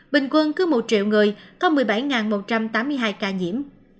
bình quân cứ một triệu người có một mươi bảy một trăm tám mươi hai ca nhiễm